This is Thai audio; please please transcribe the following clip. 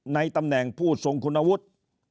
ในตำแหน่งผู้ทรงคุณวุฒิ